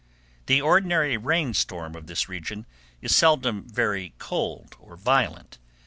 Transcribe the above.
The ordinary rain storm of this region is seldom very cold or violent.